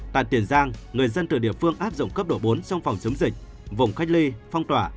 tại tiền giang người dân từ địa phương áp dụng cấp độ bốn trong phòng chống dịch vùng cách ly phong tỏa